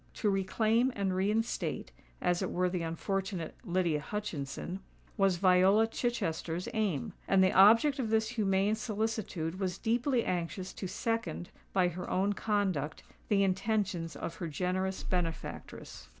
To reclaim and reinstate, as it were the unfortunate Lydia Hutchinson, was Viola Chichester's aim; and the object of this humane solicitude was deeply anxious to second, by her own conduct, the intentions of her generous benefactress.